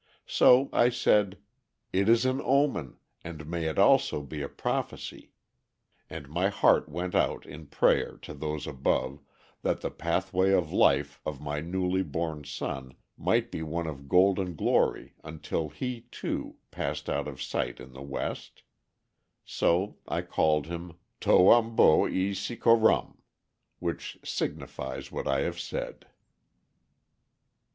So I said, 'It is an omen, and may it also be a prophecy,' and my heart went out in prayer to Those Above, that the pathway of life of my newly born son might be one of golden glory until he, too, passed out of sight in the west; so I called him Towumbowisicorum, which signifies what I have said."